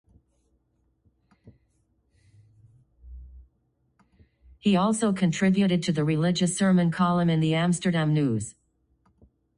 He also contributed to the religious sermon column in the "Amsterdam News".